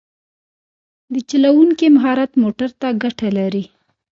د چلوونکي مهارت موټر ته ګټه لري.